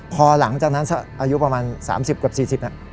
พอหลังจากนั้นอายุประมาณ๓๐กับ๔๐